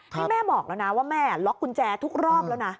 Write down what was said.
นี่แม่บอกแล้วนะว่าแม่ล็อกกุญแจทุกรอบแล้วนะ